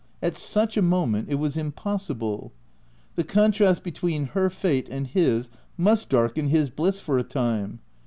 At such a moment it was impossible. The contrast between her fate and his must darken his bliss for a time.